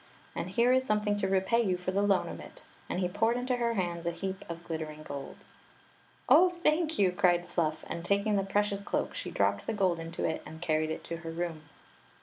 And here is something to repay you for the loan of it;" and he poured into her hands a heap of glittering gold. ." Oh, thank you !" cried Fluff; and taking the pre cious cloak she dropped the gold into it and carried it to her room.